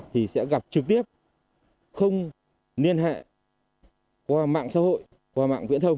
thì sẽ gặp trực tiếp không liên hệ qua mạng xã hội qua mạng viễn thông